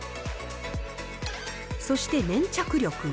そして粘着力は。